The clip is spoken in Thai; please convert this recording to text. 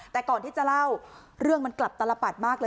แต่ก่อนที่จะเล่าเรื่องมันกลับตลปัดมากเลย